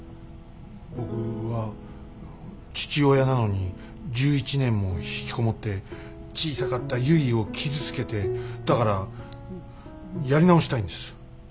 僕は父親なのに１１年もひきこもって小さかったゆいを傷つけてだからやり直したいんです。